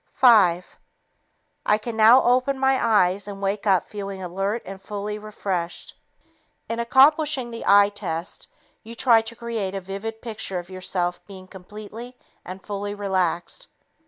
Five ... I can now open my eyes and wake up feeling alert and fully refreshed." In accomplishing the eye test, you try to create a vivid picture of yourself being completely and fully relaxed.